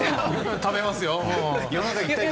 食べますよ。